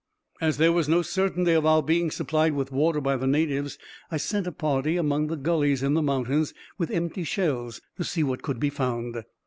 _—As there was no certainty of our being supplied with water by the natives, I sent a party among the gullies in the mountains, with empty shells, to see what could be found.